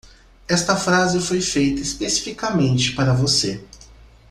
Esta frase foi feita especificamente para você.